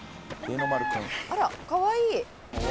「あらかわいい」